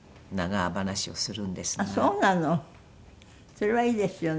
それはいいですよね。